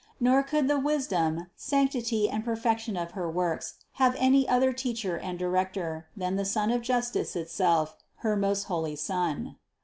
Nor could the wisdom, sanctity and perfection of her works have any other teacher and director, than the Sun of justice itself, her most holy Son.